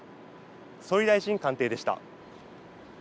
総理大臣官邸でした。